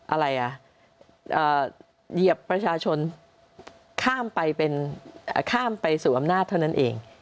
อะไรอ่ะเหยียบประชาชนข้ามไปสู่อำนาจเท่านั้นเอง